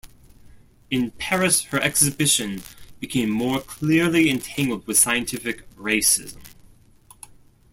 In Paris, her exhibition became more clearly entangled with scientific racism.